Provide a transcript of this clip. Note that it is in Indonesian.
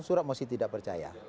surat mosi tidak percaya